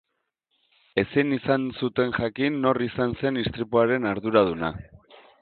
Ezin izan zuten jakin nor izan zen istripuaren arduraduna.